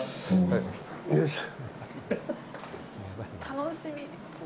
楽しみですね。